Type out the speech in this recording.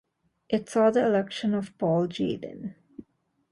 It saw the election of Paul Jadin.